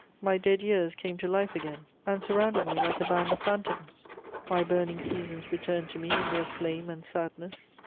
My dead years came to life again and surrounded me like a band of phantoms; my burning seasons returned to me in their flame and sadness.